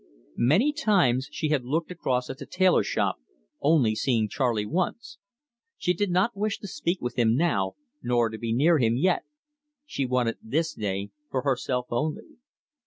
Many times she had looked across at the tailor shop, only seeing Charley once. She did not wish to speak with him now, nor to be near him yet; she wanted this day for herself only.